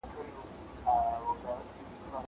زه به سبزېجات جمع کړي وي!!